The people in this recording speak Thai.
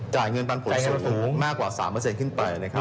เงินปันผลสูงมากกว่า๓ขึ้นไปนะครับ